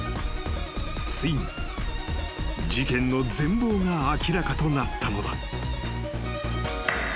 ［ついに事件の全貌が明らかとなったのだ］